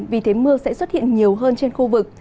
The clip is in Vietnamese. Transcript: vì thế mưa sẽ xuất hiện nhiều hơn trên khu vực